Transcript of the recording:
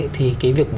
thì cái việc